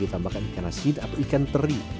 ditambahkan ikan asin atau ikan teri